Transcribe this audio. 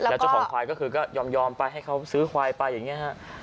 แล้วเจ้าของควายก็คือก็ยอมไปให้เขาซื้อควายไปอย่างนี้ฮะ